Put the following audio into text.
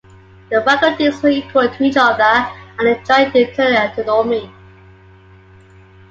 The faculties were equal to each other and enjoyed internal autonomy.